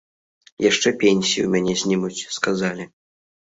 Яшчэ пенсіі ў мяне знімуць, сказалі.